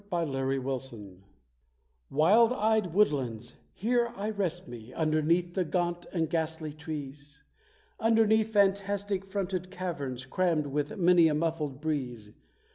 Bells Beyond the Forest Wild eyed woodlands, here I rest me, underneath the gaunt and ghastly trees; Underneath fantastic fronted caverns crammed with many a muffled breeze.